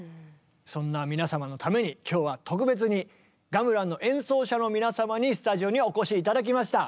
そんな皆様のために今日は特別にガムランの演奏者の皆様にスタジオにお越し頂きました。